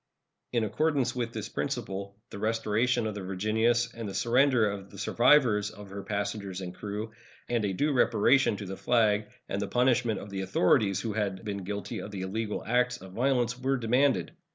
In accordance with this principle, the restoration of the Virginius and the surrender of the survivors of her passengers and crew, and a due reparation to the flag, and the punishment of the authorities who had been guilty of the illegal acts of violence, were demanded.